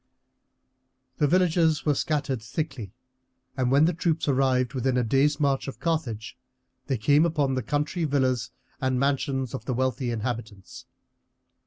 The villages were scattered thickly, and when the troops arrived within a day's march of Carthage they came upon the country villas and mansions of the wealthy inhabitants.